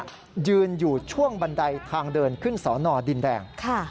ยืนอยู่ช่วงบันไดทางเดินขึ้นสอนอดินแดง